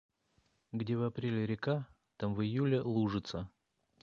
Где в апреле река, там в июле лужица.